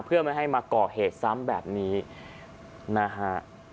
เพื่อไม่ให้มาก่อเหตุซ้ำแบบนี้นะฮะ